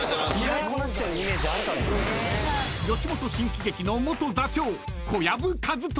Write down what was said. ［吉本新喜劇の元座長］